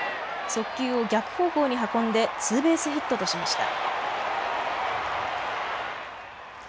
速球を逆方向に運んでツーベースヒットとしました。